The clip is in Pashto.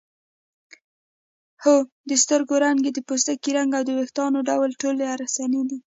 هو د سترګو رنګ د پوستکي رنګ او د وېښتانو ډول ټول ارثي دي